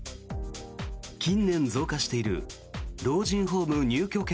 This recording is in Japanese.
近年、増加している老人ホーム入居権